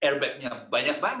airbag nya banyak sekali